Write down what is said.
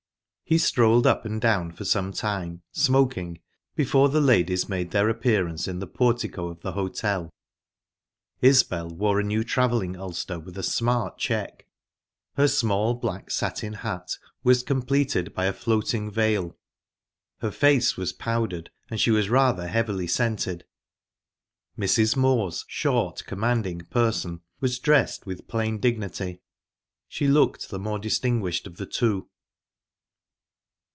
He strolled up and down for some time, smoking, before the ladies made their appearance in the portico of the hotel. Isbel wore a new travelling ulster with a smart check; her small, black satin hat was completed by a floating veil. Her face was powdered, and she was rather heavily scented. Mrs. Moor's short, commanding person was dressed with plain dignity. She looked the more distinguished of the two.